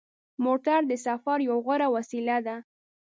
موټر د سفر یوه غوره وسیله ده.